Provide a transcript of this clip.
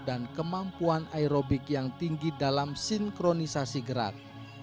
dan kemampuan aerobik yang tinggi dalam sinkronisasi gerak